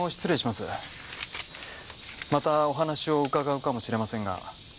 またお話を伺うかもしれませんが。